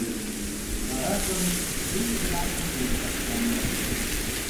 Варажым чуч гына ушем ыш кае.